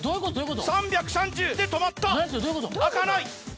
３３０で止まった開かない。